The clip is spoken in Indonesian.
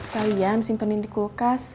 kalian simpenin di kulkas